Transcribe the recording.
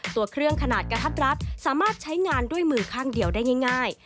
ตัวเครื่องขนาดกระทัดรัดสามารถใช้งานด้วยมือข้างเดียวได้ง่าย